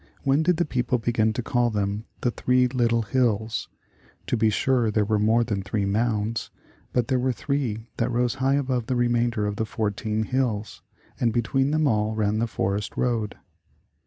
When did the people begin to call them ''the three little hills?" To be sure there were more than three mounds, but there were three that rose high above the remainder of the fourteen hills, and between them all ran the forest road.